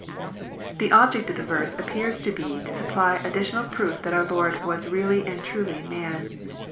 The object of the verse appears to be to supply additional proof , that our Lord was really and truly man.